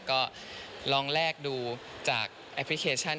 ก็ลองแลกดูจากแอปพลิเคชัน